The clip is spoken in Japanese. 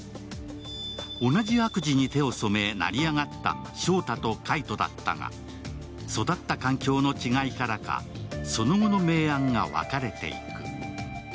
同じ悪事に手を染め、成り上がった翔太と海斗だったが育った環境の違いからか、その後の明暗が分かれていく。